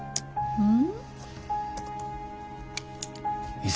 うん。